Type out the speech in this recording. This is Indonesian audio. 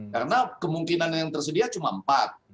karena kemungkinan yang tersedia cuma empat